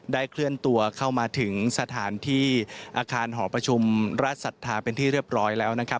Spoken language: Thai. เคลื่อนตัวเข้ามาถึงสถานที่อาคารหอประชุมราชศรัทธาเป็นที่เรียบร้อยแล้วนะครับ